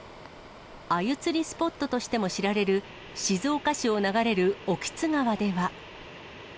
アユ釣りスポットとしても知られる、静岡市を流れる興津川では。